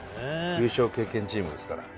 優勝経験チームですから。